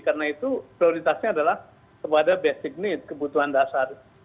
karena itu prioritasnya adalah kepada basic need kebutuhan dasar